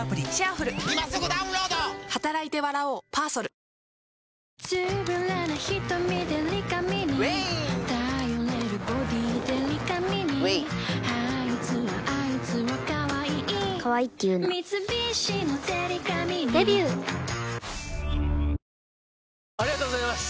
本麒麟ありがとうございます！